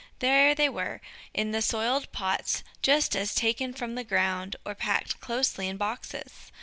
There they were, in the soiled pots just as taken from the ground, or packed closely in boxes.